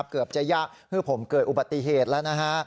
เกือบจะยากคือผมเกิดอุบัติเหตุแล้วนะฮะ